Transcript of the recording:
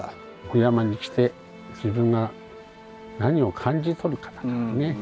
お山に来て自分が何を感じ取るかだからね。